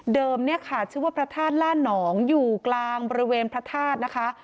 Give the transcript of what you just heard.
เนี่ยค่ะชื่อว่าพระธาตุล่าหนองอยู่กลางบริเวณพระธาตุนะคะ